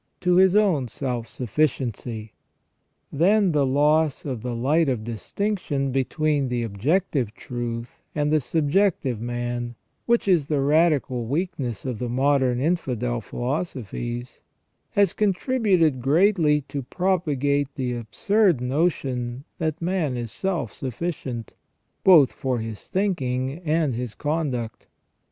to his own self sufficiency. Then the loss of the light of distinction between the objective truth and the subjective man, which is the radical weaknessof the modern infidel philosophies, has contributed greatly to propagate the absurd notion that man is self sufficient, both for his thinking and his conduct.